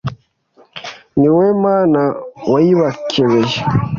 ni wowe Mana wayibakebeye